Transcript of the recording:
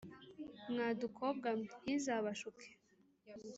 Mwa dukobwa mwe ntiza bashuke